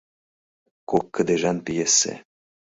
Кок кыдежан пьесе